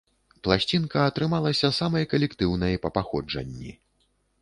Пласцінка атрымалася самай калектыўнай па паходжанні.